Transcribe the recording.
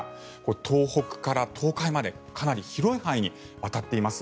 東北から東海までかなり広い範囲にわたっています。